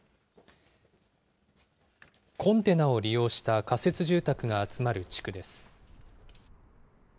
コンテナを利用した仮設住宅が集まる地区です。